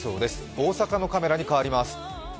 大阪のカメラに変わります。